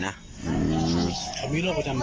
เมื่อกี้ก็เอาจับ